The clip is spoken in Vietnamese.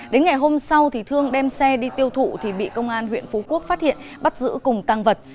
đến ngày hôm sau thì thương đem xe đi tiêu thụ thì bị công an huyện phú quốc phát hiện bắt giữ cùng tăng vật